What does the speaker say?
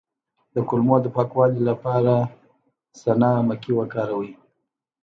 د کولمو د پاکوالي لپاره سنا مکی وکاروئ